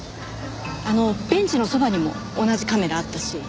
あのベンチのそばにも同じカメラあったし。